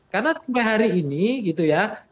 karena sampai hari ini gitu ya